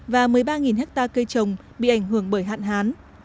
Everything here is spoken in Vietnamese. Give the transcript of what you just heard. và một mươi ba hectare cây trồng bị ảnh hưởng bởi hạn hán